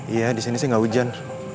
iya disini sih gak hujan